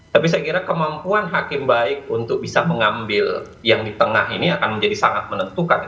tapi saya kira kemampuan hakim baik untuk bisa mengambil yang di tengah ini akan menjadi sangat menentukan